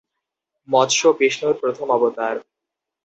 মৎস্য বিষ্ণুর প্রথম অবতার।